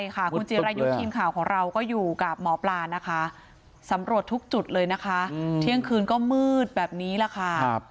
ค่ะคุณจิรายุทธ์ทีมข่าวของเราก็อยู่กับหมอปลานะคะสำรวจทุกจุดเลยนะคะเที่ยงคืนก็มืดแบบนี้แหละค่ะ